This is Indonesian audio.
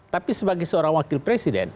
tapi sebagai seorang wakil presiden